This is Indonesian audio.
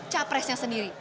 bukan capresnya sendiri